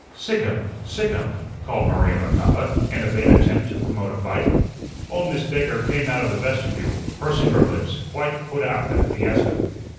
"Sick 'im, sick 'im," called Maria Macapa, in a vain attempt to promote a fight. Old Miss Baker came out of the vestibule, pursing her lips, quite put out at the fiasco.